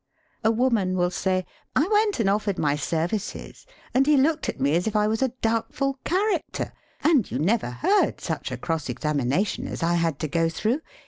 A woman will say: "I went and offered my services. And he looked at me as if I was a doubtful character, and you never heard such a cross examination as I had to go through!